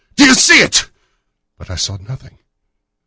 "You see it?" But I saw nothing.